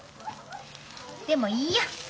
でもいいや。